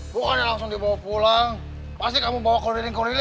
bukannya langsung dibawa pulang pasti kamu bawa keliling keliling ya